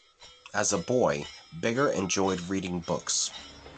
As a boy, Bigger enjoyed reading books.